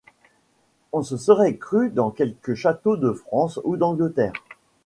On se serait cru dans quelque château de France ou d’Angleterre.